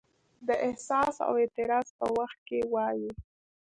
د احساس او اعتراض په وخت یې وایو.